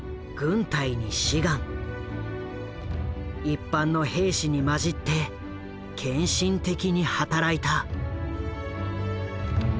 一般の兵士に交じって献身的に働いた。